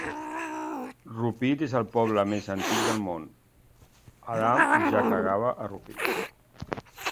Rupit és el poble més antic del món: Adam ja cagava a Rupit.